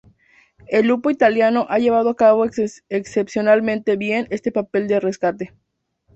El Lupo italiano ha llevado a cabo excepcionalmente bien este papel de rescate.